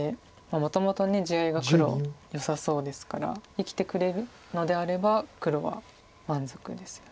もともと地合いが黒よさそうですから生きてくれるのであれば黒は満足ですよね。